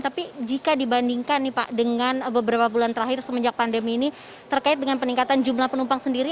tapi jika dibandingkan nih pak dengan beberapa bulan terakhir semenjak pandemi ini terkait dengan peningkatan jumlah penumpang sendiri